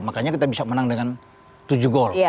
makanya kita bisa menang dengan tujuh gol